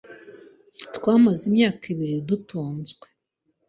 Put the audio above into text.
Twamaze imyaka ibiri dutunzwe